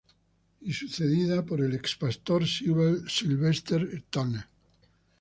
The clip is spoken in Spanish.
Y sucedida por el ex Pastor Sylvester Turner.